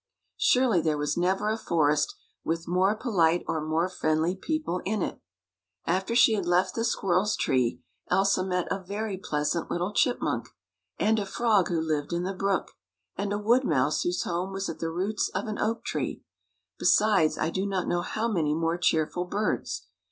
Surely there was never a forest with more polite or more friendly people in it. After she had left the squirrel's tree, Elsa met a very pleasant little chipmunk, and a frog who lived in the brook, and a wood mouse whose home was at the roots of an oak tree, besides I do not know how many more cheerful birds.